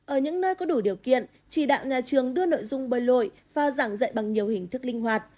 ở những nơi có đủ điều kiện chỉ đạo nhà trường đưa nội dung bơi lội vào giảng dạy bằng nhiều hình thức linh hoạt